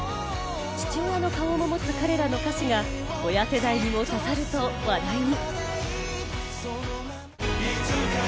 父親の顔を持つ彼らの歌詞が親世代にも刺さると話題に。